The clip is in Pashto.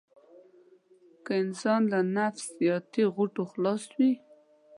که انسان له نفسياتي غوټو خلاص وي.